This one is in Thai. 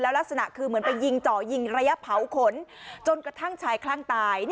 ลักษณะคือเหมือนไปยิงเจาะยิงระยะเผาขนจนกระทั่งชายคลั่งตาย